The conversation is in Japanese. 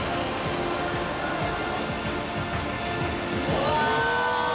うわ。